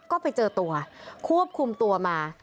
ก็ไปเจอตัวควบคุมตัวมา